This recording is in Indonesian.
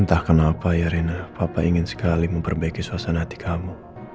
entah kenapa ya rena papa ingin sekali memperbaiki suasana hati kamu